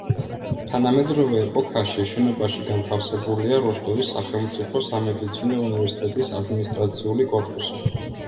თანამედროვე ეპოქაში შენობაში განთავსებულია როსტოვის სახელმწიფო სამედიცინო უნივერსიტეტის ადმინისტრაციული კორპუსი.